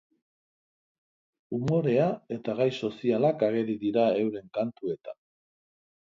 Umorea eta gai sozialak ageri dira euren kantuetan.